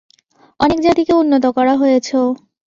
অনেক জাতিকে উন্নত করা হয়েছেও।